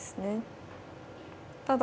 ただ。